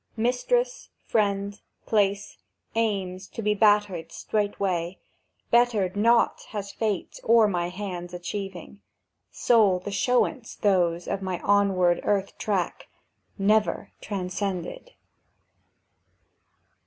Mistress, friend, place, aims to be bettered straightway, Bettered not has Fate or my hand's achieving; Sole the showance those of my onward earth track— Never transcended!